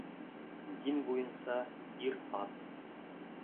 Дин буйынса — ир-ат.